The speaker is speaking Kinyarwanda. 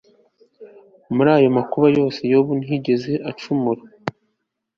muri ayo makuba yose, yobu ntiyigeze acumura